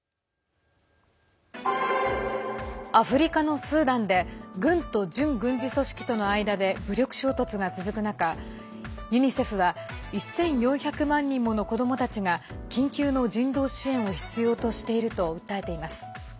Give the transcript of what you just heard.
アフリカのスーダンで軍と準軍事組織との間で武力衝突が続く中、ユニセフは１４００万人もの子どもたちが緊急の人道支援を必要としていると訴えています。